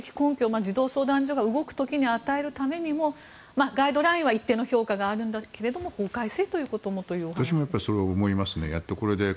児童相談所が動く時に与えるためにもガイドラインは一定の評価があるんだけれども私もそう思います。